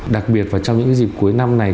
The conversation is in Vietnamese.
đặc biệt trong những dịp cuối năm này